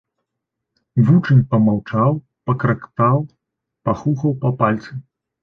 Вучань памаўчаў, пакрактаў, пахухаў па пальцы.